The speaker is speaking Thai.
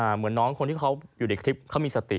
เหมือนน้องคนที่เขาอยู่ในคลิปเขามีสติ